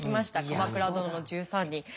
「鎌倉殿の１３人」。